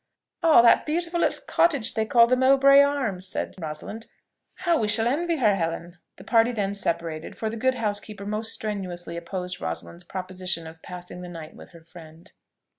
"Oh! that beautiful little cottage that they call the Mowbray Arms!" said Rosalind. "How we shall envy her, Helen!" The party then separated; for the good housekeeper most strenuously opposed Rosalind's proposition of passing the night with her friend.